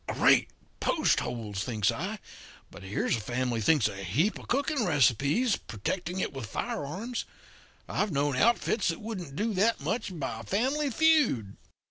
'Great post holes!' thinks I, 'but here's a family thinks a heap of cooking receipts, protecting it with firearms. I've known outfits that wouldn't do that much by a family feud.'